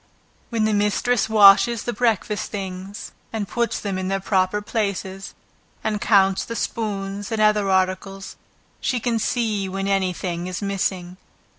Where the mistress washes the breakfast things, and puts them in their proper places, and counts the spoons, and other articles, she can see when any thing is missing.